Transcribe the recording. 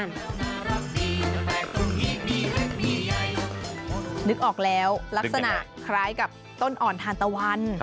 นึกออกแล้วลักษณะคล้ายกับต้นอ่อนทานตะวัน